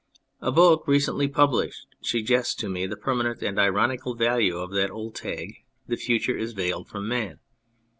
A book recently published suggests to me the permanent and ironical value of that old tag " The future is veiled from man."